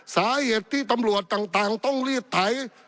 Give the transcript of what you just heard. สาเหตุที่ตำรวจต่างต้องรีดไถ